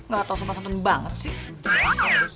gak tau sopan santun banget sih